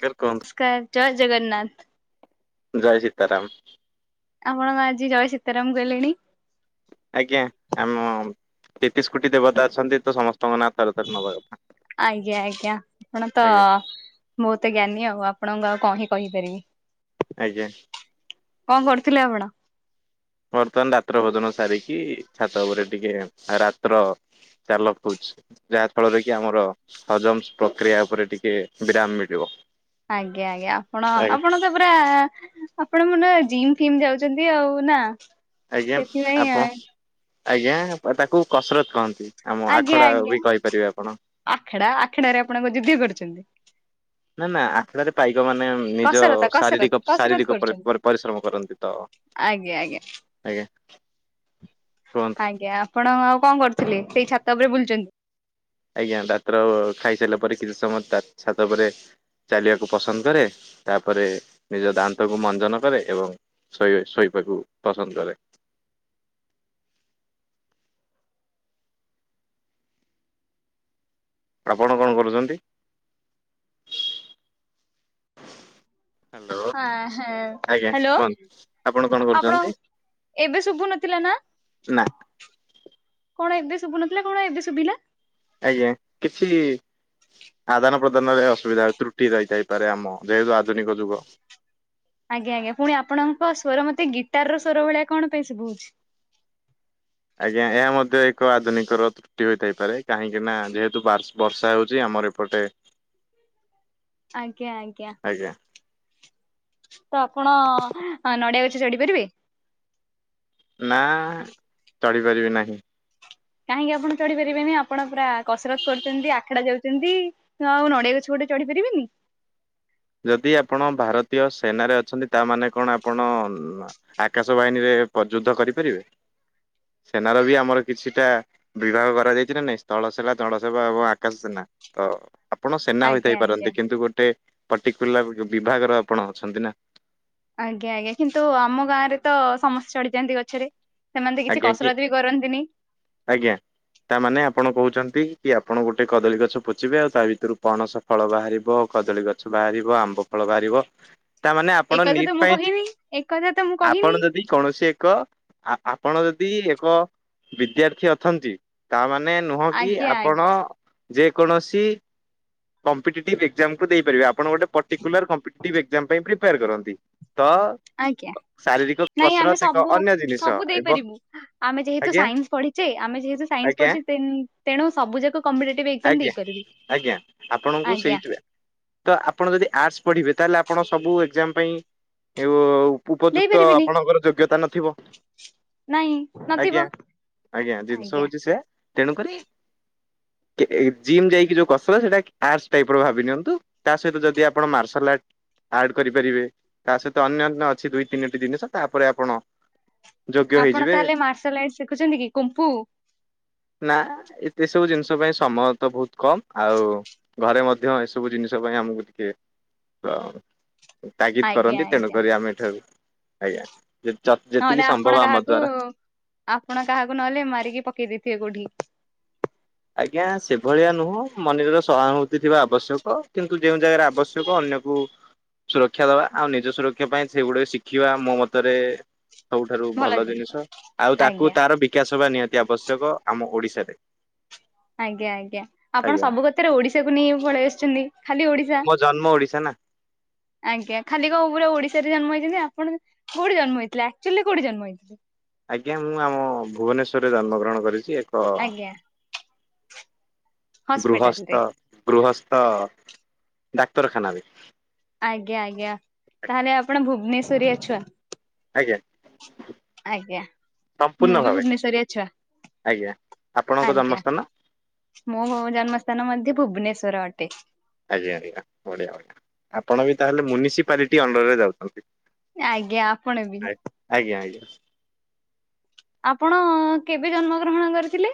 Sir କୁହନ୍ତୁ ସ୍କାର ଜୟ ଜଗନ୍ନାଥ। ଜୟ ସତାରାମ। ଆପଣ କଣ ଆଜି ଜୟ ସୀତାରାମ କହିଲେଣି? ଆଜ୍ଞା ଆମ ତେତିଶ କୋଟି ଦେବତା ଅଛନ୍ତି ତ ସମସ୍ତ ଆଜ୍ଞା ଆଜ୍ଞା ଆପଣ ତ ଆଜ୍ଞା ବହୁତ ଜ୍ଞାନୀ। ଆଉ ଆପଣଙ୍କୁ ଆଉ କଁହି କହି ପାରିବି। ଆଜ୍ଞା। କଣ କରୁଥିଲେ ଆପଣ? ବର୍ତ୍ତମାନ ରାତ୍ର ଭୋଜନ ସାରିକି ଛାତ ଉପରେ ଟିକେ ରାତ୍ର ଚାଲ ଖଉଛି ଯାହା ଫଳରେ କି ଆମର ହଜମ ପ୍ରକ୍ରିୟା ଉପରେ ଟିକେ ବିରାମ ମିଳିବ। ଆଜ୍ଞା ଆଜ୍ଞା ଆପଣ ଆଜ୍ଞା ଆପଣ ତ ପୁରା ଆପଣ ମାନେ ଜିମ୍ ଫିମ୍ ଯାଉଛନ୍ତି ଆଉ ନା ଆଜ୍ଞା ସେଥିପାଇଁ। ଆପଣ ଆଜ୍ଞା ତାକୁ କସରତ କହନ୍ତି ଆମ ଆଜ୍ଞା ଆଖଡା ଆଜ୍ଞା ବି କହିପାରିବେ ଆପଣ। ଆଖଡା ଆଖଡା ରେ ଆପଣଙ୍କ କଣ ଯୁଦ୍ଧ କରୁଛନ୍ତି? ନା ନା ଆଖଡ଼ାରେ ପାଇକ ମାନେ ନିଜ କସରତ କସରତ ଶାରୀରିକ କସରତ ଶାରୀରିକ କରୁଛନ୍ତି। ପ ପରିଶ୍ରମ କରନ୍ତି ତ। ଆଜ୍ଞା ଆଜ୍ଞା ଆଜ୍ଞା କୁହନ୍ତୁ। ଆଜ୍ଞା ଆପଣ ଆଉ କଣ କରୁଥିଲେ ସେଇ ଛାତ ଉପରେ ବୁଲୁଛନ୍ତି। ଆଜ୍ଞା ଡାତର ଖାଇସାରିଲା ପରେ କିଛି ସମୟ ଛାତ ପରେ ଚାଲିବାକୁ ପସନ୍ଦ କରେ। ତାପରେ ନିଜ ଦାନ୍ତକୁ ମଞ୍ଜନ କରେ ଏବଂ ଶୋଇବା ଶୋଇବାକୁ ପସନ୍ଦ କରେ। ଆପଣ କଣ କରୁଛନ୍ତି? ହ୍ୟାଲୋ ଆ ଆଜ୍ଞା ହ୍ୟାଲୋ କୁହନ୍ତୁ ଆପଣ କଣ କରୁଛନ୍ତି? ଏବେ ଶୁଭୁ ନଥିଲା ନା। ନା କଣ ଏବେ ଶୁଭୁନଥିଲା କଣ ଏବେ ଶୁଭିଲା। ଆଜ୍ଞା କିଛି ଆଦାନ ପ୍ରଦାନରେ ଅସୁବିଧା ତ୍ରୁଟି ରହିଥାଇପାରେ ଆମ ଯେହେତୁ ଆଧୁନିକ ଯୁଗ। ଆଜ୍ଞା ଆଜ୍ଞା ପୁଣି ଆପଣଙ୍କ ସ୍ୱର ମତେ ଗିଟାର ର ସ୍ୱର ଭଳିଆ କଣ ପାଇଁ ସଭୁଛି। ଆଜ୍ଞା ଏହା ମଧ୍ୟ ଏକ ଆଧୁନିକର ତ୍ରୁଟି ହୋଇଥାଇପାରେ କାହିଁକି ନା ଯେହେତୁ ବାସ ବର୍ଷା ହଉଛି ଆମ ଆମର ଏପଟେ ଆଜ୍ଞା ଆଜ୍ଞା। ତ ଆପଣ ନଡିଆ ଗଛ ଚଢି ପାରିବେ? ନା ଚଢ଼ି ପାରିବି ନାହିଁ। କାହିଁକି ଆପଣ ଚଢି ପାରିବେନି ଆପଣ ପୁରା କସରତ କରୁଛନ୍ତି ଆଖଡା ଯାଉଛନ୍ତି ତ ଆଉ ନଡିଆରେ ଗଛ ଗୋ ଛ ଚଢି ପାରିବେନି। ଯଦି ଆପଣ ଭାରତୀୟ ସେନାରେ ଅଛନ୍ତି ତା ମାନେ କଣ ଆପଣ ଆକାଶ ବାହିନୀରେ ପ୍ରଯୁଦ୍ଧ କରିପାରିବେ? ସେନାର ବି ଆମର କିଛିଟା ବିଭାଗ କରାଯାଇଛି ନା ନାଇଁ ସ୍ଥଳ ସେନା ଜଳ ସେବା ଏବଂ ଆକାଶ ସେନା। ତ ଆପଣ ସେନା ଆଜ୍ଞା ହୋଇଥାଇ ଆଜ୍ଞା। ପାରନ୍ତି କିନ୍ତୁ ଗୋଟେ ପର୍ଟିକୁଲାର ବିଭାଗର ଆପଣ ଅଛନ୍ତି ନା। ଆଜ୍ଞା ଆଜ୍ଞା କିନ୍ତୁ ଆମ ଗାଁ ରେ ତ ସମସ୍ତେ ଚଢ଼ି ଯାଆନ୍ତି ଗଛରେ। ସେମାନେ ତ କିଛି ଆଜ୍ଞା କି କସରତ ବି କରନ୍ତିନି ଆଜ୍ଞା ତାମାନେ ଆପଣ କହୁଛନ୍ତି କି ଆପଣ ଗୋଟେ କଦଳୀ ଗଛ ପୋତିବେ ଆଉ ତା ଭିତରୁ ପଣସ ଫଳ ବାହାରିବ କଦଳୀ ଗଛ ବାହାରିବ ଆମ୍ବ ଫଳ ବାହାରିବ। ତାମାନେ ଆପଣ ଏକଥା ନିଟ୍ ତ ମୁଁ ପାଇଁ ଚି କହିନି ଏକଥା ତ ମୁଁ ଆପଣ କହିନି। ଯଦି କୌଣସି ଏକ ଆପଣ ଯଦି ଏକ ବିଦ୍ୟାର୍ଥୀ ଅଛନ୍ତି, ତାମାନେ ମାନେ ନୁହଁ କି ଆଜ୍ଞା ଆପଣ ଆଜ୍ଞା ଯେ କୌଣସି କମ୍ପିଟେଟିଭ ଏକ୍ଜାମକୁ ଦେଇପାରିବେ। ଆପ ଆପଣ ଗୋଟେ ପର୍ଟିକୁଲାର କମ୍ପିଟେଟିଭ ଏକ୍ଜାମ ପାଇଁ ପ୍ରିପ୍ରେୟାର କରନ୍ତି ତ ଆଜ୍ଞା। ଶାରୀରିକ ନାଇଁ ଆମେ କସରତ ଏକ ସବୁ ଅନ୍ୟ ଜିନିଷ। ସବୁ ଏବଂ ଆମେ ଯେତୁ ଆଜ୍ଞା ସାଇନ୍ସ ପଢ଼ିଚେ ଆମେ ଯେହେତୁ ସାଇନ୍ସ ଆଜ୍ଞା ପଢିଚେ ତେଣୁ ସବୁ ଯାକ କମ୍ପିଟେଟିଭ ଏକ୍ଜାମ ଆଜ୍ଞା ଦେଇପାରିବି ଆଜ୍ଞା ଆପଣଙ୍କୁ ଆଜ୍ଞା ସେଇଥିପ ତ ଆପଣ ଯଦି ଆର୍ଟ ପ ପଢିବେ ତାହେଲେ ଆପଣ ସବୁ ଏକ୍ଜାମ ପାଇଁ। [unintelligible] ଉପଯୁକ୍ତ ଦେଇପାରିବିନି ଆପଣଙ୍କର ଯୋଗ୍ୟତା ନଥିବ। ନାଇଁ ଆଜ୍ଞା ନଥିବ ଆଜ୍ଞା ଜିନିଷ ହଉଛି ସେ ତେଣୁକରି ଜିମ୍ ଯାଇକି ଯୋଉ କସରତ ସେଇଟା ଆର୍ଟ ଟାଇପ ର ଭାବି ନିଅନ୍ତୁ। ତା ସହିତ ଯଦି ଆପଣ ମାର୍ଶାଲ ଆର୍ଟ ଆଡ କରିପାରିବେ ତା ସହିତ ଅନ୍ୟାନ୍ୟ ଅଛି ଦୁଇ ତିନୋଟି ଜିନିଷ ତାପରେ ଆପଣ ଯୋଗ୍ୟ ଆପଣ ହେଇଯିବେ ତାହେଲେ ମାର୍ଶଲ ଆର୍ଟ ଶିଖୁଛନ୍ତି କି କୁମ୍ପୁ। ନା ଏସବୁ ଜିନିଷ ପାଇଁ ସମୟ ତ ବହୁତ କମ୍ ଆଉ ଘରେ ମଧ୍ୟ ଏସବୁ ଜିନିଷ ପାଇଁ ଆମକୁ ଟିକେ ହ ତାଗିଦ ଆଜ୍ଞା କରନ୍ତି। ଆଜ୍ଞା ତେଣୁକରି ଆମେ ଏଠାରୁ ଆଜ୍ଞା। ଯେତିକି ନହେଲେ ସମ୍ଭବ ଆପଣ ଆମ କାହାକୁ ଦ୍ଵାରା ଆପଣ କାହାକୁ ନହେଲେ ମାରିକି ପକେଇ ଦେଇଥିବେ କୋଉଠି। ଆଜ୍ଞା ସେଭଳିଆ ନୁହଁ ମମଣିଷର ସହାନୁଭୂତି ଥିବା ଆବଶ୍ୟକ। କିନ୍ତୁ ଯଉଁ ଜାଗାରେ ଆବଶ୍ୟକ ସୁରକ୍ଷା ଦବା ଆଉ ନିଜ ସୁରକ୍ଷା ପାଇଁ ସେଇଗୁଡିକ ଶିଖିବା ମୋ ମତରେ ସବୁଠାରୁ ଭଲ ଜିନିଷ। ଆଉ ତାକୁ ଆଜ୍ଞା ତାର ବିକାଶ ହବା ନିହାତି ଆବଶ୍ୟକ। ଆମ ଓଡ଼ିଶାରେ ଆଜ୍ଞା ଆଜ୍ଞା ଆପଣ ସବୁ କଥାରେ ଓଡିଶାକୁ ନେଇ ପଳେଇ ଆସିଛନ୍ତି। ଖାଲି ଓ ଓଡ଼ିଶା, ମୋ ଜନ୍ମ ଓଡିଶା ନା ଆଜ୍ଞା ଖାଲି କଣ ପୁରା ଓଡିଶା ଜନ୍ମ ହେଇ ଆପଣ କୋଉଠି ଜନ୍ମ ହେଇଥିଲେ ଆକ୍ଚୁଆଲି କୋଉଠି ଜନ୍ମ ହେଇଥିଲେ? ଆଜ୍ଞା ମୁଁ ଆମ ଭୁବନେଶ୍ଵରରେ ଜନ୍ମଗ୍ରହଣ କରିଚି। ତ ଆଜ୍ଞା ହସ୍ପିଟାଲ ରେ ଗୃହସ୍ଥ ଗୃହସ୍ ତ ଡାକ୍ତରଖାନା ବି। ଆଜ୍ଞା ଆଜ୍ଞା ତାହେଲେ ଆପଣ ଭୁବନେଶ୍ଵରୀଆ ଛୁଆ। ଆଜ୍ଞା। ଆଜ୍ଞା ମୁଁ ସମ୍ପୂର୍ଣ୍ଣ ବି ଭାବେ ଭୁବନେଶ୍ଵରିଆ ଛୁଆ। ଆଜ୍ଞା। ଆପଣଙ୍କ ଆଜ୍ଞା ଜନ୍ମସ୍ଥାନ ମୋ ଜନ୍ମସ୍ଥାନ ମଧ୍ୟ ଭୁବନେଶ୍ଵର ଅଟେ। ଆଜ୍ଞା ଆଜ୍ଞା ବଢିଆ ବଢ଼ିଆ ଆପଣ ବି ତାହେଲେ ମ୍ୟୁନିସିପାଲିଟି ଅଣ୍ଡର ରେ ଯାଉଛନ୍ତି। ଆଜ୍ଞା ଆପଣ ବି। [inaudible] ଆପଣ କେବେ ଜନ୍ମ ଗ୍ରହଣ କରିଥିଲେ?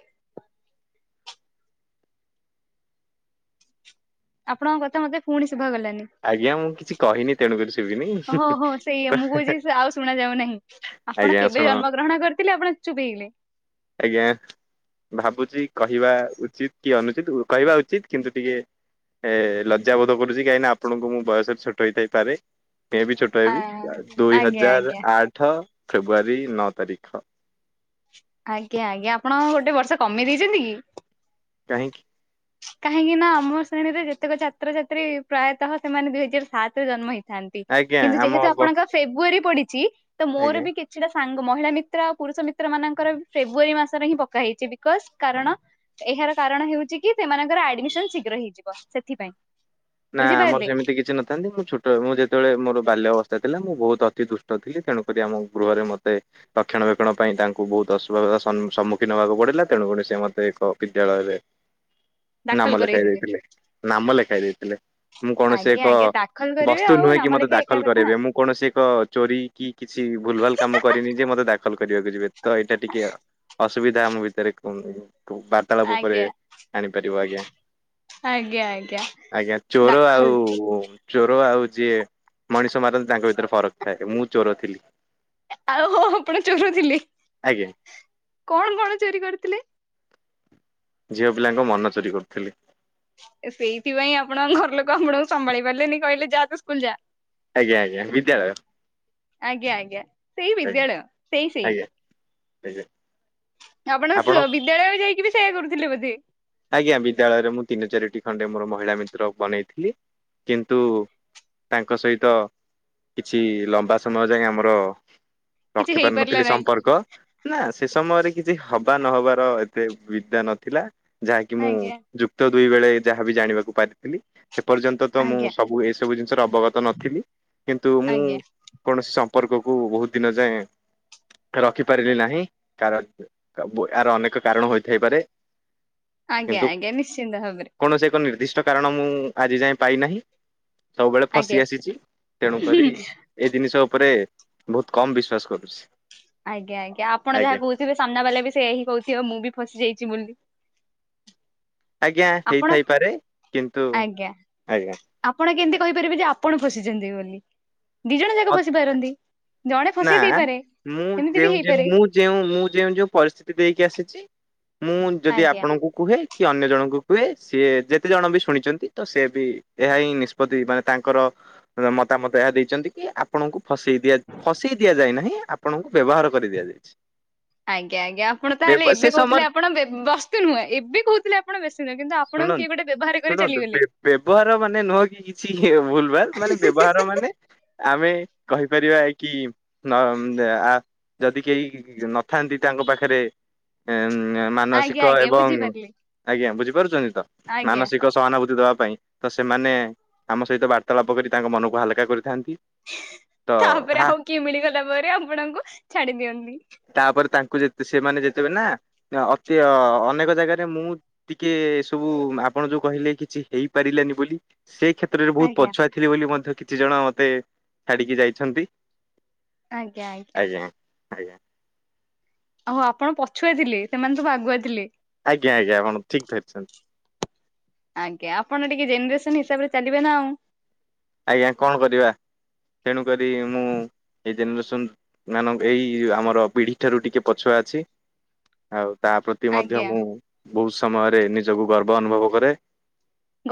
ଆପଣଙ୍କ କଥା ମତେ ପୁଣି ଶୁଭା ଗଲାନି। ଆଜ୍ଞା ମୁଁ କିଛି କହିନି ତେଣୁକରି ଶୁଭିନି ହୋ ହୋ ସେଇଆ ମୁଁ କହୁଛି ଆଉ ଶୁଣା ଯାଉ ନାହିଁ। ଆପଣ ଆଜ୍ଞା କେବେ ଶୁଣ ଜନ୍ମ ଗ୍ରହଣ କରିଥିଲେ ଆପଣ ଚୁପ ହେଇଗଲେ। ଆଜ୍ଞା ଭାବୁ କହିବା ଉଚିତ କି ଅନୁଚିତ କହିବା ଉଚିତ କିନ୍ତୁ ଟିକେ ଏ ଲଜ୍ଜାବୋଧ କରୁଛି କାହିଁକି ନା ଆପଣଙ୍କୁ ମୁଁ ବୟସରେ ଛୋଟ ହେଇଥାଇପାରେ। ମେ ବି ଛୋଟ ଆ ହେବି ଦୁଇ ଆଜ୍ଞା ହଜାର ଆଜ୍ଞା। ଆଠ ଫେବୃଆାରୀ ନଅ ତାରିଖ। ଆଜ୍ଞା ଆଜ୍ଞା ଆପଣ ଗୋଟେ ବର୍ଷା କମେଇ ଦେଇଛନ୍ତି କି? କାହିଁକି? କାହିଁକି ନା ଆମ ଶ୍ରେଣୀରେ ଯେତେକ ଛାତ୍ରଛାତ୍ରୀ ପ୍ରାୟତଃ ସେମାନେ ଦୁଇ ହଜାର ସାତ ରେ ଜନ୍ମ ହେଇ ଥାନ୍ତି ଆଜ୍ଞା କିନ୍ତୁ ଆମ ଯେହେତୁ ବ ଆପଣଙ୍କ ଫେବୃଆରୀ ପଡିଛି ତ ମୋର ଆଜ୍ଞା ବି କିଛିଟା ସାଙ୍ଗ ମହିଳା ମିତ୍ର ଆଉ ପୁରୁଷ ମିତ୍ର ମାନ ଙ୍କର ଫେବୃବାରୀ ମାସରେ ହିଁ ପକା ହେଇଛି ବିକଜ କାରଣ ଏହାର କାରଣ ହେଉଛି କି ସେମାନଙ୍କର ଆଡମି ସନ ଶୀଘ୍ର ହେଇଯିବ ସେଥିପାଇଁ। ନା ଆମର ବୁଝିପାରିଲେ ସେମିତି କିଛି ନଥାନ୍ତି ମୁଁ ଛୋଟ ମୁଁ ଯେତେବେଳେ ମୋର ବାଲ୍ୟ ଅବ ସ୍ଥା ଥିଲା ମୁଁ ବହୁତ ଅତି ଦୁଷ୍ଟ ଥିଲି ତେଣୁକରି ଆମ ଗୃହରେ ମୋତେ ରକ୍ଷଣ ବକ୍ଷଣ ପାଇଁ ତାଙ୍କୁ ବହୁତ ଅସୁବି ର ସନ ସମ୍ମୁଖୀନ ହବାକୁ ପଡିଲା ତେଣୁକଣରି ସେ ମତେ ଏକ ବିଦ୍ୟାଳୟରେ ଦାଖଲ ନାମ ଲେଖାଇ କରେଇଦେଲେ। ଦେଇଥିଲେ ନାମ ଲେଖାଇ ଦେଇଥିଲେ। ମୁଁ କୌଣସି ଆଜ୍ଞା ଏକ। ଆଜ୍ଞା ଦାଖଲ କରିବେ ବସ୍ତୁ ଆଉ ନୁହେଁ କି ନାମ ମତେ ଲେଖା ଏକା ଦାଖଲ କଥା ନା। କରାଇବେ ମୁଁ କୌଣସି ଏକ ଚୋରି କି କିଛି ଭୁଲ ଭାଲ କାମ କରିନି ଯେ ମତେ ଦା କଲ କରିବାକୁ ଯିବେ ତ ଏଇଟା ଟିକେ ଅସୁବିଧା ଆମ ଭିତରେ କୁ ଠୁ ବାର୍ତାଳାପ ଉପରେ ଆଜ୍ଞା ଆଣିପାରିବ ଆଜ୍ଞା ଆଜ୍ଞା ଆଜ୍ଞା ଆଜ୍ଞା ଚୋର ଦାଖଲ ଆଉ ଉଁ ଚୋ ଓ ଆଉ ଯିଏ ମଣିଷ ମାରନ୍ତି ତାଙ୍କ ଭିତରେ ଫରକ ଥାଏ ମୁଁ ଚୋର ଥିଲି। ଆଉ ହଁ ଆପଣ ଚୋର ଥିଲେ। ଆଜ୍ଞା କଣ କଣ ଚୋରି କରିଥିଲେ? ଝିଅ ପିଲାଙ୍କ ମନ ଚୋରି କରୁଥିଲି । ଏ ସେଇଥିପାଇଁ ଆପଣଙ୍କ ଘର ଲୋକ ଆପଣଙ୍କୁ ସମ୍ଭାଳି ପାରିଲେନି କହିଲେ ଯା ତୁ ସ୍କୁଲ ଯା। ଆଜ୍ଞା ଆଜ୍ଞା ବିଦ୍ୟାଳୟ । ଆଜ୍ଞା ଆଜ୍ଞା ସେଇ ବିଦ୍ୟାଳୟ ସେଇ ସେଇ । ହେଇଯାଉ। ଆପଣ ସ ବିଦ୍ୟାଳୟ ଯାଇକି ବି ସେଇୟା କରୁଥିଲେ ବୋଧେ? ଆଜ୍ଞା ବିଦ୍ୟାଳୟରେ ମୁଁ ତିନି ଚାରିଟି ଖଣ୍ଡେ ମୋର ମହିଳା ମିତ୍ର ବନେଇଥିଲି କିନ୍ତୁ। ତାଙ୍କ ସହିତ କିଛି ଲମ୍ବା ସମୟ ଯାଏଁ ଆମର କିଛି ରଖି ହେଇପାରିଲା ପାରିନଥିଲି ନାହିଁ ସମ୍ପର୍କ ନା ସେ ସମୟରେ କିଛି ହବା ନହବାର ଏତେ ବିଦ୍ୟା ନଥିଲା ଯାହାକି ମୁଁ ଆଜ୍ଞା ଯୁକ୍ତ ଦୁଇ ବେଳେ ଯାହାବି ଜାଣିବାକୁ ପାରିଥିଲି । ସେ ପର୍ଯ୍ୟନ୍ତ ତ ମୁଁ ଆଜ୍ଞା ସବୁ ଏସବୁ ଜିନିଷର ଅବଗତ ନଥିଲି କିନ୍ତୁ ମୁଁ ଆଜ୍ଞା କୌଣସି ସ ମ୍ପର୍କକୁ ବହୁତ ଦିନ ଯାଏଁ। ରଖିପାରିଲି ନାହିଁ କାର ଅ ବୁ ଏହାର ଅନେକ କାରଣ ହୋଇଥାଇପାରେ। ଆଜ୍ଞା କିନ୍ତୁ ଆଜ୍ଞା ନିଶ୍ଚିନ୍ତ ଭାବରେ କୌଣସି ଏକ ନିର୍ଦ୍ଦିଷ୍ଟ କାରଣ ମୁଁ ଆଜି ଯାଏଁ ପାଇନାହିଁ । ସବୁବେଳେ ଫସି ଆଜ୍ଞା ଆସିଛି ତେଣୁ କରି ଏଇ ଜିନିଷ ଉପରେ ବହୁତ କମ ବିଶ୍ଵାସ କରୁଛି । ଆଜ୍ଞା ଆଜ୍ଞା ଆପଣ ଯାହା କହୁଥିବେ ସାମ୍ନା ବାଲା ବି ସେୟା ହିଁ କହୁଥିବ ମୁଁ ବି ଫସି ଯାଇଛି ବୋଲି । ଆଜ୍ଞା ଆପଣ ହେଇଥାଇପାରେ କିନ୍ତୁ। ଆଜ୍ଞା ଆଜ୍ଞା ଆପଣ କେମତି କହିପାରିବେ ଯେ ଆପଣ ଫସିଛନ୍ତି ବୋଲି? ଦି ଜଣ ଯାକ ମତ୍ ଫସି ପାରନ୍ତି । ନା ମୁଁ ବି ଯେଉଁ ଯେଉଁ ହେଇପାରେ ମୁଁ ଯେଉଁ ମୁଁ ଯେଉଁ ଯେଉଁ ପରିସ୍ଥିତି ଦେଇକି ଆସିଛି। ମୁଁ ଯଦି ଆଜ୍ଞା ଆପଣଙ୍କୁ କୁହେ । କି ଅନ୍ୟ ଜଣଙ୍କୁ କୁହେ ସିଏ ଯେତେ ଜଣ ବି ଶୁଣିଛନ୍ତି ତ ସେ ବି ଏହା ହିଁ ନିଷ୍ପତ୍ତି ମାନେ ତାଙ୍କର ର ମତାମତ ଏହା ଦେଇଛନ୍ତି କି ଆପଣଙ୍କୁ ଫସେଇ ଦିଆ ଫସେଇ ଦିଆଯାଇ ନାହିଁ ଆପଣଙ୍କୁ ବ୍ୟବହାର କରି ଦିଆଯାଇଛି । ଆଜ୍ଞା ଆଜ୍ଞା ଆପଣ ତାହେଲେ ଏବେ କହୁଥିଲେ ଆପଣ ବେ ବସ୍ତି ନୁହେଁ ଏବେ କହୁଥିଲେ ଆପଣ ବେଶୀ ନୁହେଁ କିନ୍ତୁ ଆପ ଶୁଣନ ଶୁଣନ୍ତୁ ବ୍ୟ-ବ୍ୟବହାର ମାନେ ନୁହଁ କି କିଛି ହେ ଭୁଲ ଭାଲ ମାନେ ବ୍ୟବହାର ମାନେ। ଆମେ କହିପାରିବା କି ନମ ଦେ ଆ ଯଦି କେହି ନଥାନ୍ତି ତାଙ୍କ ପାଖରେ ଏମ୍ ଉଁ ନା ମାନସିକ ଆଜ୍ଞା ଆଜ୍ଞା ଏବଂ ବୁଝିପାରିଲି ଆଜ୍ଞା ବୁଝିପାରୁଛନ୍ତି ତ ଆଜ୍ଞା ମାନସିକ ସହାନୁଭୂତି ଦବା ପାଇଁ ତ ସେମାନେ ଆମ ସହିତ ବାର୍ତ୍ତାଳାପ କରି ତାଙ୍କ ମନକୁ ହାଲକା କରିଥାନ୍ତି। ତ ତାପରେ ତାହା ଆଉ କିଏ ମିଳିଗଲା ପରେ ଆପଣଙ୍କୁ ଛାଡି ଦିଅନ୍ତି। କୁ ଜେତେ ସେମାନେ ଯେତେବେ ନା ଅ ଅତି ଅ-ଅନେକ ଜାଗାରେ ମୁଁ ଟିକେ ସବୁ ଆ ପଣ ଯୋଉ କହିଲେ କିଛି ହେଇପାରିଲାନି ବୋଲି । ସେ କ୍ଷେତ୍ରରେ ବହୁତ ଆଜ୍ଞା ପଛୁଆ ଥିଲି ବୋଲି ମଧ୍ୟ କିଛି ଜଣ ମତେ ଛାଡିକି ଯାଇଛନ୍ତି । ଆଜ୍ଞା ଆଜ୍ଞା । ଆଜ୍ଞା । ଓହୋ ଆପଣ ପଛୁଆ ଥିଲି ସେମାନେ ସବୁ ଆଗୁଆ ଥିଲି? ଆଜ୍ଞା ଆଜ୍ଞା ଏପଣ ଠିକ ଧରଛନ୍ତି । ଆଜ୍ଞା ଆପଣ ଟିକେ ଜେନେରେସନ ହିସାବରେ ଚାଲିବେ ନା ଆଉ । ଆଜ୍ଞା କଣ କରିବା ତେଣୁ କରି ମୁଁ ଏଇ ଜେନେରେସନ ମାନଙ୍କ ଏଇ ଆମର ପିଢ଼ି ଠାରୁ ଟିକେ ପଛୁଆ ଅଛି ଆଉ ତା ପ୍ରତି ମଧ୍ୟ ଆଜ୍ଞା ମୁଁ ବହୁତ ସମୟରେ ନିଜକୁ ଗର୍ବ ଅନୁଭବ କରେ ।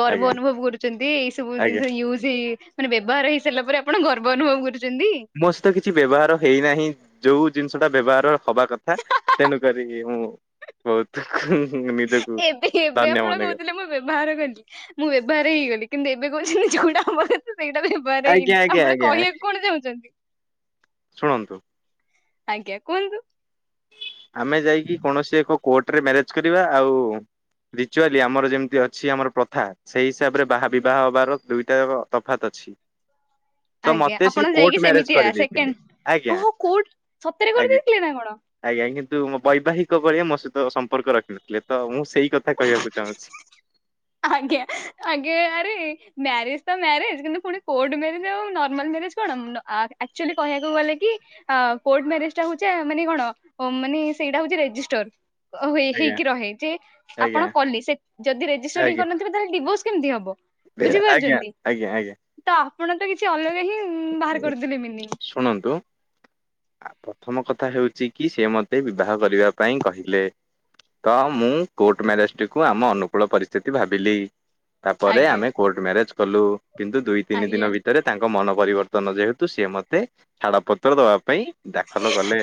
ଗର୍ବ ଅନୁଭବ କରୁଛନ୍ତି ଏଇ ସବୁ ଆଜ୍ଞା। ଜିନିଷ ୟୁଜ ହେଇ ମାନେ ବ୍ୟବହାର ହେଇସାରିଲା ପରେ ଆପଣ ଗର୍ବ ଅନୁଭବ କରୁଛନ୍ତି ସମସ୍ତ କିଛି ବ୍ୟବହାର ହେଇନାହିଁ ଯୋଉ ଜିନିଷ ଟା ବ୍ୟବହାର ହବା କଥା ତେଣୁ କରିରି ହଁ ବହୁତ ନିଜକୁ ଏବେ ଏବେ ଧନ୍ୟ ଆପଣ ମନେକରେ କହୁଥିଲେ ମୁଁ ବ୍ୟବହାର କଲି ମୁଁ ବ୍ୟବହାର ହେଇଗଲି କିନ୍ତୁ ଏବେ କ ଯୋଉଟା ଆମର ତ ସେଇଟା ବବାର ଆଜ୍ଞା ହେଇନି ଆଜ୍ଞା ଆପଣ ଆଜ୍ଞା କହିବାକୁ କଣ ଯାଉଛନ୍ତି ଶୁଣନ୍ତୁ ଆଜ୍ଞା କୁହନ୍ତୁ ଆମେ ଯାଇକି କୌଣସି ଏକ କୋର୍ଟରେ ମ୍ୟାରେଜ କରିବା ଆଉ ରିଚୁଆଲି ଆମର ଯେମିତି ଅଛି ଆମର ପ୍ରଥା ସେଇ ହିସାବରେ ବାହା ବିବାହ ହବାର ଦୁଇଟା ତଫାତ୍ ଅଛି ପ ତ ଆଜ୍ଞା ମତେ ସେ ଆପଣ କୋର୍ଟ ଯାଇକି ମ୍ୟାରେଜ ସେମିତିଆ କରିଦେଇଥିଲେ ସେକେଣ୍ଡ ଆଜ୍ଞା ଓହୋ କୋଉ ସତରେ ଆଞା କରିଦେଇଥିଲେ ନା କଣ? ଆଞ କିନ୍ତୁ ମୋ ବୈବାହିକ କଳିଆ ମୋ ସହିତ ସମ୍ପର୍କ ରଖିିନଥିଲେ ତ ମୁ ସେଇ କଥା କହିବାକୁ ଚାହୁଁଛି ଆଜ୍ଞା ଆଜ୍ଞା ଆରେ ମ୍ୟାରେଜ ତ ମ୍ୟାରେଜ କିନ୍ତୁ ପୁଣି କୋଟ ମ୍ୟଜ ଆଉ ନର୍ମାଲ କ ଗଲୋ ହ କ ସେଇଟା ହଉଛି ରେଜିଷ୍ଟୋର ଆଜ୍ଞା ହେଇକି ରହେ ଯେ ଆଜ୍ଞା ଆପଣ କଲେ ଯଦି ରେଜିଷ୍ଟର ଆଜ୍ଞା। ହି କରିନଥିବେ ତାହେଲେ ଡିଭୋର୍ସ କେମିତି ହବ ଏ, ବୁଝିପାରୁ ଆଜ୍ଞା ଯଛନ୍ତି ଆଜ୍ଞା ଆଜ୍ଞା ତା ଆପଣ ତ କିଛି ଅଲଗା ହିଁ ବାହାର କରିଦେଲେ ମିନି ଶୁଣନ୍ତୁ ଆ, ପ୍ରଥମ କଥା ହେଉଛି କି ସେ ମୋତେ ବିବାହ କରିବା ପାଇଁ କହିଲେ ତ ମୁଁ କୋର୍ଟ ମଜିଷ୍ଟ୍ରି କୁ ଆମ ଅନୁକୂଳ ପରିସ୍ଥିତି ଭାବିଲି ତାପରେ ଆଜ୍ଞା ଆମେ କୋର୍ଟ ମ୍ୟାରେଜ କଲୁ କିନ୍ତୁ ଦୁଇ ତିନି ଦିନ ଆଜ୍ଞା ଭିତରେ ତାଙ୍କ ମନ ପରିବର୍ତ୍ତନ ଯେହେତୁ ସି ମତେ ଛାଡ଼ ପତ୍ର ଦବା ପାଇଁ ଦାଖଲ ଗଲେ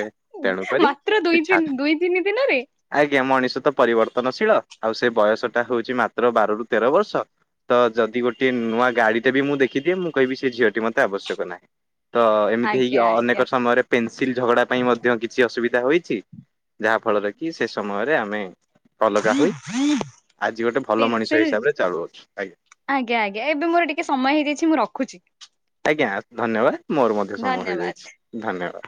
ତେଣୁକରି ମାତ୍ର ସେ ଦୁଇ ଛା ତିନି ଦୁଇ ତିନି ଦିନରେ ଆଜ୍ଞା ମଣିଷ ତ ପରିବର୍ତ୍ତନଶୀଳ ଆଉ ସେ ବୟସ ଟା ହଉଛି ମାତ୍ର ବାର ର ତେର ବର୍ଷ ତ ଯଦି ଗୋଟେ ନୂଆ ଗାଡିଟା ବି ମୁଁ ଦେଖିଦିଏ ମୁଁ କହିବି ସେ ଝିଅଟି ମତେ ଆବଶ୍ୟକ ନାହିଁ ତ ଏମିତି ହେଇକି ଆଜ୍ଞା ଆଜ୍ଞା ଅନେକ ସମୟରେ ପେନସିଲ ଝଗଡା ପାଇଁ ମଧ୍ୟ କିଛି ଅସୁବିଧା ହୋଇଛି ଯାହା ଫଳରେ କିି ସେ ସମୟରେ ଆମେ ହ ଅଲଗା ହୋଇ ହ ଆଜି ଗୋଟେ ଭଲ ମଣିଷ ହିସାବରେ ଚାଳୁଅଛି ଆଜ୍ଞା ଆଜ୍ଞା ଆଜ୍ଞା ଏବେ ମୋର ଟିକେ ସମୟ ହେଇଯାଇଛି ମୁଁ ରଖୁଛି ଆଜ୍ଞା ଧନ୍ୟବାଦ ମୋର ମଧ୍ୟ ସମୟ ଧନ୍ୟବାଦ ହେଇଯାଇଛି ଧନ୍ୟବାଦ